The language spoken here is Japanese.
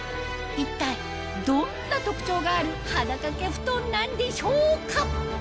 一体どんな特徴がある肌掛け布団なんでしょうか？